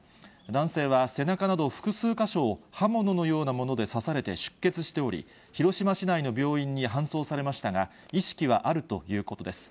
男性は背中など複数箇所を刃物のようなもので刺されて出血しており、広島市内の病院に搬送されましたが、意識はあるということです。